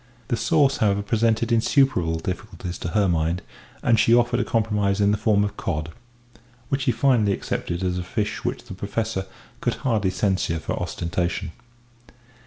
The sauce, however, presented insuperable difficulties to her mind, and she offered a compromise in the form of cod which he finally accepted as a fish which the Professor could hardly censure for ostentation.